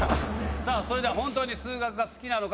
それでは本当に数学が好きなのか